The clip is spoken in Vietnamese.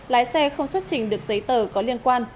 lái xe không xuất trình được giấy tờ có liên quan